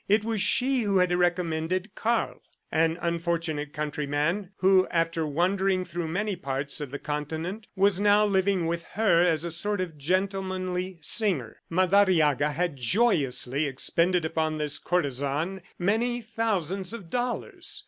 It was she who had recommended Karl an unfortunate countryman, who after wandering through many parts of the continent, was now living with her as a sort of gentlemanly singer. Madariaga had joyously expended upon this courtesan many thousands of dollars.